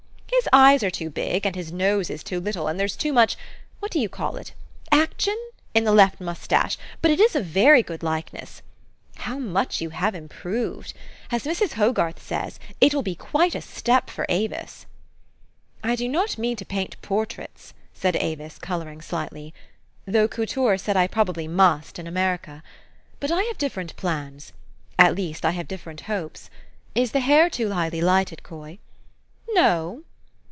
His eyes are too big, and his nose is too little, and there's too much what do you call it ? action ? in the left mustache ; but it is a very good likeness. How much you have improved ! As Mrs. Hogarth says, 'It will be quite a step for Avis.' " "I do not mean to paint portraits," said Avis, coloring slightly, "though Couture said I probably must, in America. But I have different plans : at THE STOE.Y OF AVIS. 107 least I have different hopes. Is the hair too highly lighted, Coy?" "No."